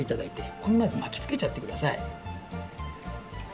ここにまずまきつけちゃってください。